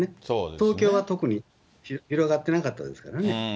東京は特に広がってなかったですからね。